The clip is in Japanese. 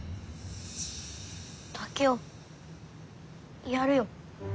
竹雄やるよ。